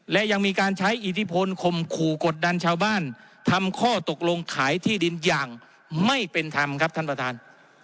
และยังมีการใช้อิทธิพลข่มขู่กดดันชาวบ้านทำข้อตกลงขายที่ดินอย่างไม่เป็นธรรมครับท่านประธาน